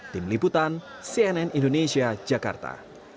tim liputan cnn indonesia jakarta